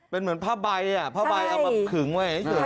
เป็นเหมือนผ้าใบผ้าใบเอามาขึงไว้เฉย